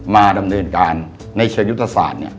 มาดำเนินการในเชิงยุทธศาสตร์